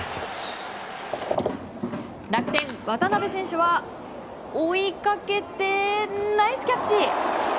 楽天、渡邊選手は追いかけて、ナイスキャッチ！